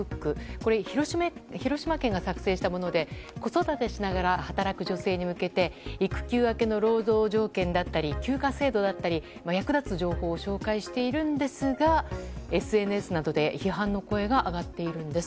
これ広島県が作成したもので子育てしながら働く女性に向けて育休明けの労働条件だったり休暇制度だったり役立つ情報を紹介しているんですがＳＮＳなどで批判の声が上がっているんです。